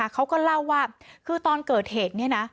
เขาก็เล่าว่าคือตอนเกิดเหตุเนี่ยนะ